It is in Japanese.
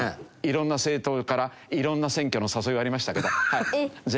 色んな政党から色んな選挙の誘いはありましたけど。